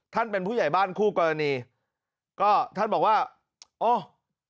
เป็นผู้ใหญ่บ้านคู่กรณีก็ท่านบอกว่าโอ้